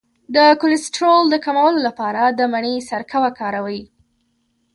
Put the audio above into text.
د کولیسټرول د کمولو لپاره د مڼې سرکه وکاروئ